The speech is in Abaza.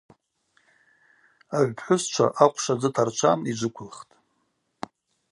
Агӏвпхӏвысчва ахъвшва дзы тарчван йджвыквылхтӏ.